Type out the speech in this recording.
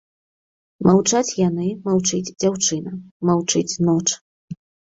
Маўчаць яны, маўчыць дзяўчына, маўчыць ноч.